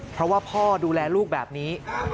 เพราะว่าพ่อดูแลลูกแบบนี้